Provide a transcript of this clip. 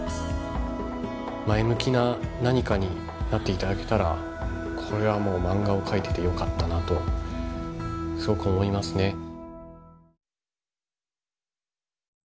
前向きな何かになって頂けたらこれはもう漫画を描いててよかったなとすごく思いますね。